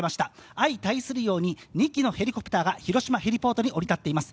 相対するように２機のヘリコプターが広島ヘリポートに降り立っています。